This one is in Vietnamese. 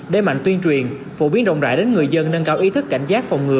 đe mạnh tuyên truyền phổ biến rộng rãi đến người dân nâng cao ý thức cảnh giác